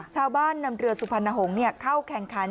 ชาวบ้านนำเรือสุพรรณหงษ์เข้าแข่งขัน